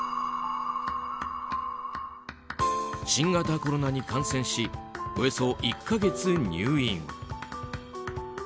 新型コロナに感染しおよそ１か月入院。